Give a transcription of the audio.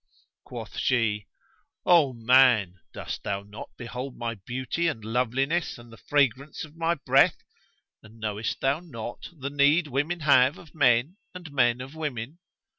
Quoth she, "O man, cost thou not behold my beauty and loveliness and the fragrance of my breath; and knowest thou not the need women have of men and men of women?